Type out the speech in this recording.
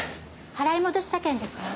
払い戻し車券ですね？